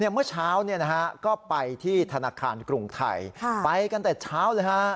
เมื่อเช้าก็ไปที่ธนาคารกรุงไทยไปกันแต่เช้าเลยฮะ